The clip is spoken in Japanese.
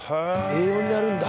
栄養になるんだ。